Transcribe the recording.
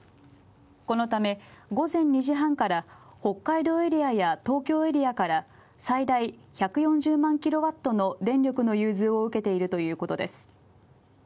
このため、午前２時半から北海道エリアや東京エリアから最大１４０万ｋＷの電力の融通を受けているということです。